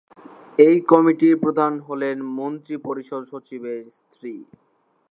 এই কমিটির প্রধান হলেন মন্ত্রিপরিষদ সচিবের স্ত্রী।